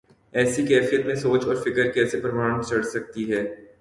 ایسی کیفیت میں سوچ اور فکر کیسے پروان چڑھ سکتی ہے۔